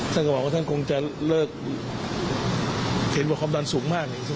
แล้วก็หัวของถ่าเหลวนี้ก็น่าจะมีความสูญอาการดีขึ้น